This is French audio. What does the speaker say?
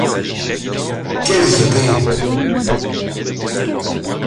Quelles idées?